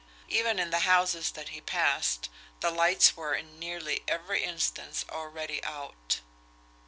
Even in the houses that he passed the lights were in nearly every instance already out.